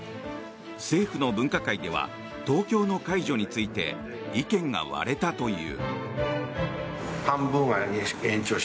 政府の分科会では東京の解除について意見が割れたという。